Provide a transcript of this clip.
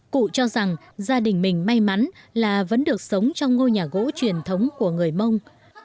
cụ cho rằng gia đình mình may mắn là vẫn được sống trong ngôi nhà gỗ truyền thống của người mông